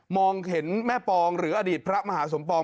เห็นแม่ปองหรืออดีตพระมหาสมปอง